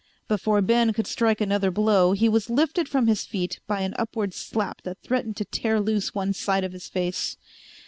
Before Ben could strike another blow he was lifted from his feet by an upward slap that threatened to tear loose one side of his face.